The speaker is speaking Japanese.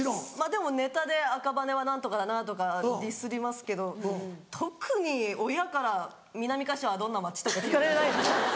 でもネタで「赤羽は何とかだな」とかディスりますけど特に親から「南柏はどんな街？」とか聞かれないです。